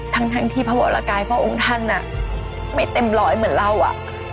ทั้งที่พระวรกายพระองค์ท่านไม่เต็มร้อยเหมือนเราอ่ะ